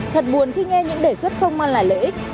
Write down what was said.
thật buồn khi nghe những đề xuất không mang lại lợi ích